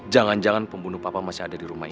jangan jangan pembunuh papa masih ada di rumah ini